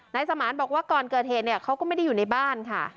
นายสมานบอกว่าก่อนเกิดเหตุเนี่ยเขาก็ไม่ได้อยู่ในบ้านค่ะ